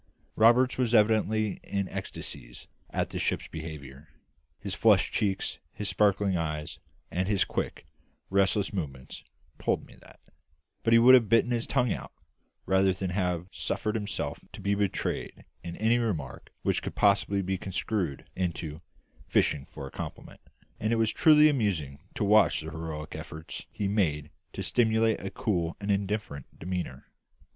Roberts was evidently in ecstasies at the ship's behaviour; his flushed cheek, his sparkling eye, and his quick, restless movements told me that; but he would have bitten his tongue out, rather than have suffered himself to be betrayed into any remarks which could possibly be construed into "fishing for a compliment;" and it was truly amusing to watch the heroic efforts he made to simulate a cool and indifferent demeanour.